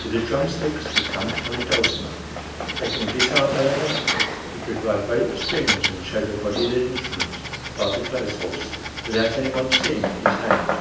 With the drumsticks he thumped on the dulcimer. Taking the guitar by the neck, he could vibrate the strings and show the body of the instrument above the clothes horse, without any one seeing his hand!